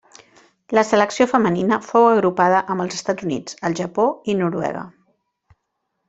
La selecció femenina fou agrupada amb els Estats Units, el Japó i Noruega.